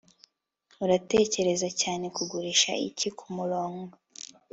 uratekereza cyane kugurisha iyi kumurongo